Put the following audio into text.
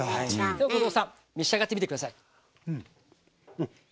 では後藤さん召し上がってみて下さい。